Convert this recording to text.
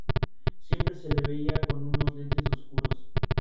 Siempre se le veía con unos lentes oscuros.